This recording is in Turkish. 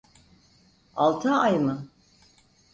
Altı ay mı?